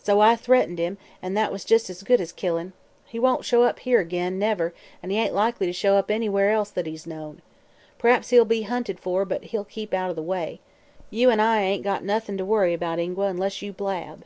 So I threatened him, an' that was jus' as good as killin'. He won't show up ag'in here, never; an' he ain't likely to show up anywheres else that he's known. P'raps he'll be hunted for, but he'll keep out a' the way. You an' I ain't got noth'n' to worry about, Ingua unless you blab.'